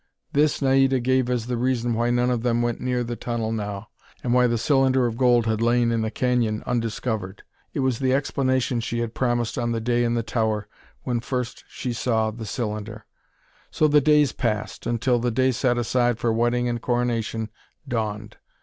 This, Naida gave as the reason why none of them went near the tunnel now, and why the cylinder of gold had lain in the canyon undiscovered. It was the explanation she had promised on the day in the tower, when first she saw the cylinder. So the days passed, until the day set aside for wedding and coronation dawned.